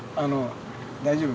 大丈夫？